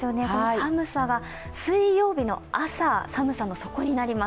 水曜日の朝、寒さの底になります